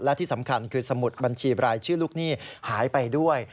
และที่สำคัญคือสมุดบัญชีบรายชื่อลูกหนี้หายไปด้วย